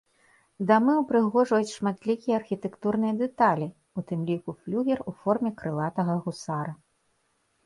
Дамы ўпрыгожваюць шматлікія архітэктурныя дэталі, у тым ліку флюгер у форме крылатага гусара.